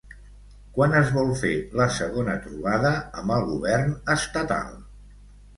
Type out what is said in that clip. Quan es vol fer la segona trobada amb el govern estatal?